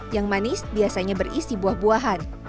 yang manis biasanya berisi buah buahan